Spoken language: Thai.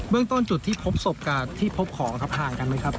เรื่องต้นจุดที่พบศพกับที่พบของครับห่างกันไหมครับ